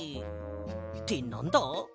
ってなんだ？